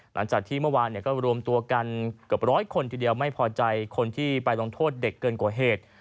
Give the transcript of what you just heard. หลังจากที่เมื่อวานก็รวมตัวกันเกือบร้อยคนทีเดียวไม่พอใจคนที่ไปลงโทษเด็กเกินกว่าเหตุ